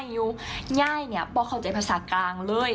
ย่ายนี่พ่อเข้าใจภาษากลางเลย